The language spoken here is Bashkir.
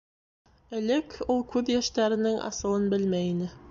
Элек ул күҙ йәштәренең асылын белмәй ине.